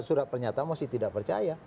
surat pernyataan masih tidak percaya